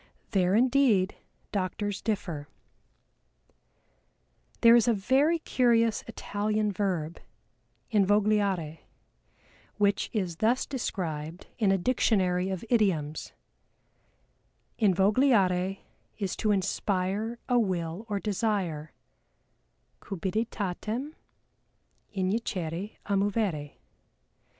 There indeed doctors differ. There is a very curious Italian verb, Invogliare, which is thus described in a Dictionary of Idioms: "Invogliare is to inspire a will or desire, cupiditatem injicere a movere.